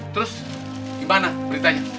terus gimana beritanya